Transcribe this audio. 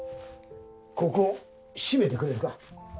ここ締めてくれるか。